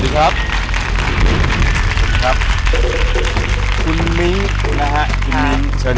คุณมิ้งหน้าผลแทน